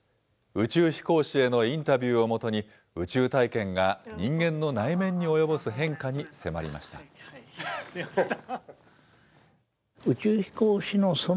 宇宙飛行士へのインタビューをもとに、宇宙体験が人間の内面に及ぼす変化に迫りました。